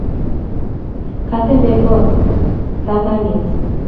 Kyatepi kotganget